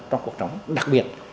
trong cuộc đống đặc biệt